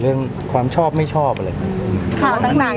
เรื่องความชอบไม่ชอบอะไรอย่างนี้